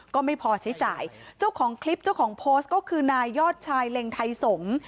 ก็ไม่พอใช้จ่ายเจ้าของคลิปเจ้าของโพสต์ก็คือนายยอดชายเล็งไทยสงศ์